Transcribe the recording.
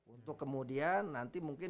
untuk kemudian nanti mungkin